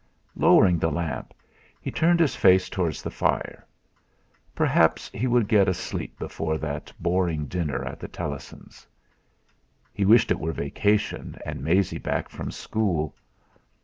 Lowering the lamp, he turned his face towards the fire. Perhaps he would get a sleep before that boring dinner at the Tellasson's. He wished it were vacation, and Maisie back from school.